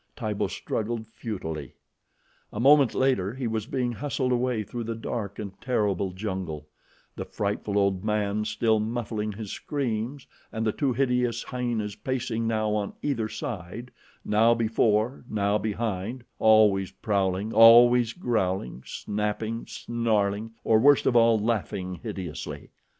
Tibo struggled futilely. A moment later he was being hustled away through the dark and terrible jungle, the frightful old man still muffling his screams, and the two hideous hyenas pacing now on either side, now before, now behind, always prowling, always growling, snapping, snarling, or, worst of all, laughing hideously.